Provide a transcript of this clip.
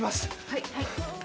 はい。